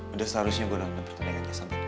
udah seharusnya gue nonton pertandingannya sahabat gue